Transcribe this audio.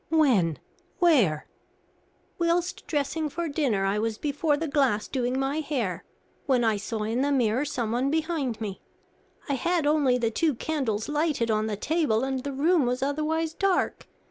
"When? where?" "Whilst dressing for dinner, I was before the glass doing my hair, when I saw in the mirror someone behind me. I had only the two candles lighted on the table, and the room was otherwise dark.